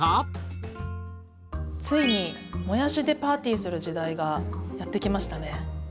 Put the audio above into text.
ついにもやしでパーティーする時代がやって来ましたね。